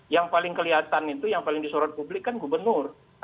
yang paling kelihatan itu yang paling disorot publik kan gubernur